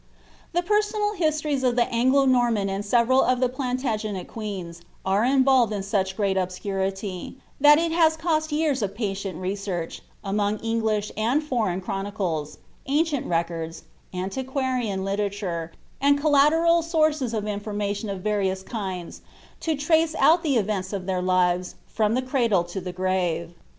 The personal histories of the Anglo Norman and several of the Plantagenet queens are involved in such great obscurity, that it has cost years of patient research, among English and foreign chronicles, ancient records, antiquarian literature, and collateral sources of infor mation of various kinds, to trace out the events of their lives, from the cradle to the grave.